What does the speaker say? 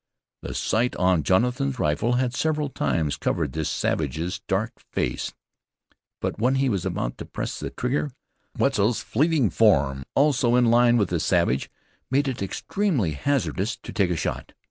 The sight on Jonathan's rifle had several times covered this savage's dark face; but when he was about to press the trigger Wetzel's fleeting form, also in line with the savage, made it extremely hazardous to take a shot.